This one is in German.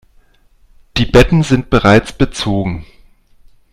Die Betten sind bereits bezogen.